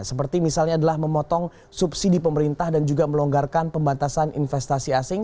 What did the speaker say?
seperti misalnya adalah memotong subsidi pemerintah dan juga melonggarkan pembatasan investasi asing